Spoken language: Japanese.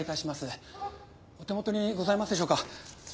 お手元にございますでしょうか。